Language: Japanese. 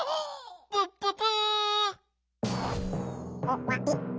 プッププ！